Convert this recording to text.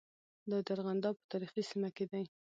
دا د ارغنداب په تاریخي سیمه کې دي.